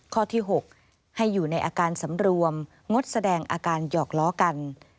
ข้อที่๖ให้อยู่ในอาการสำรวมงดแสดงอาการหยอกล้อกัน